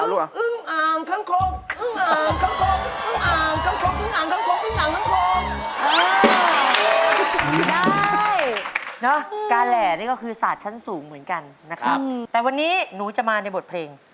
แห่งความและทุกธนซับซ้อนจนได้จุดเมื่อยไม่มีคน